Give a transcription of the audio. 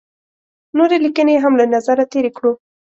نورې لیکنې یې هم له نظره تېرې کړو.